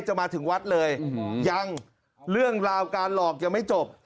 จะมาถึงวัดเลยยังเรื่องราวการหลอกยังไม่จบ